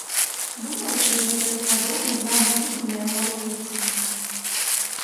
Думаю, праз некалькі гадоў мы з вамі будзем на яго адкрыцці.